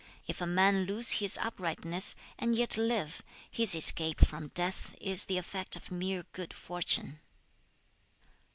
If a man lose his uprightness, and yet live, his escape from death is the effect of mere good fortune.'